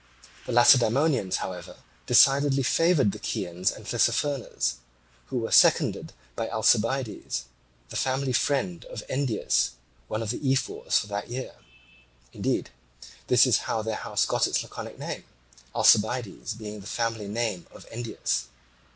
The Lacedaemonians, however, decidedly favoured the Chians and Tissaphernes, who were seconded by Alcibiades, the family friend of Endius, one of the ephors for that year. Indeed, this is how their house got its Laconic name, Alcibiades being the family name of Endius.